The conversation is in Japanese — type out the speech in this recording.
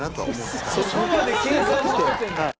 そこまで計算して？